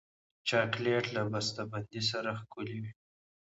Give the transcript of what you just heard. چاکلېټ له بسته بندۍ سره ښکلی وي.